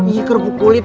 ih kerbuk kulit